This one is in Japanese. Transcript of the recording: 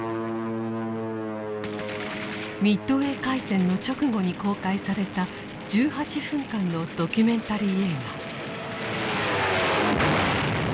ミッドウェー海戦の直後に公開された１８分間のドキュメンタリー映画。